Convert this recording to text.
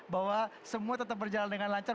bahwa semua tetap berjalan dengan lancar